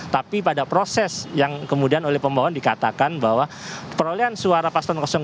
tapi pada proses yang kemudian oleh pemohon dikatakan bahwa perolehan suara paslon dua